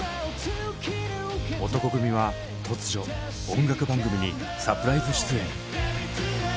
男闘呼組は突如音楽番組にサプライズ出演。